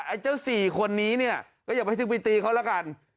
ไอ้เจ้า๔คนนี้เนี่ยก็อย่าไปถึงพิธีเขาแล้วกัน